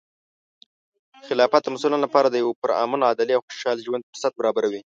خلافت د مسلمانانو لپاره د یو پرامن، عدلي، او خوشحال ژوند فرصت برابروي.